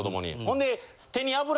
ほんで。